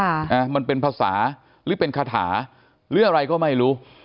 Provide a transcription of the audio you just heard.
อ่ามันเป็นภาษาหรือเป็นคาถาหรืออะไรก็ไม่รู้